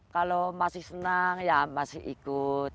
kalau masih senang ya masih ikut